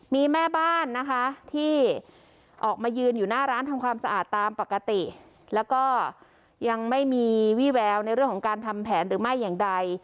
มีแม่บ้านนะคะที่ออกมายืนอยู่หน้าร้านทำความสะอาดตามปกติแล้วก็ยังไม่มีวี่แววในเรื่องของการทำแผนหรือไม่อย่างใด